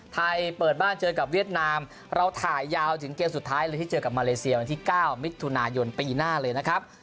ไทยเปิดบ้านเจอกับเวียดนามเราถ่ายยาวถึงเกมสุดท้ายเลยที่เจอกับมาเลเซียวันที่๙มิถุนายนปีหน้าเลยนะครับ